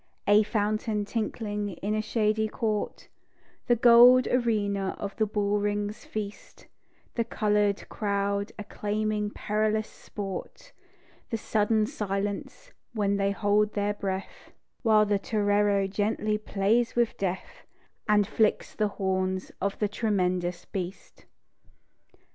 A fountain tinkling in a shady court; The gold arena of the bull ring's feast; The coloured crowd acclaiming perilous sport; The sudden silence when they hold their breath, While the torero gently plays with death, And flicks the horns of the tremendous beast.